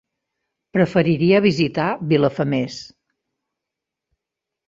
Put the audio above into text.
Preferiria visitar Vilafamés.